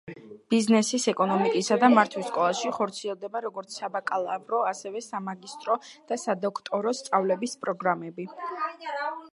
ბიზნესის, ეკონომიკისა და მართვის სკოლაში ხორციელდება როგორც საბაკალავრო, ასევე სამაგისტრო და სადოქტორო სწავლების პროგრამები.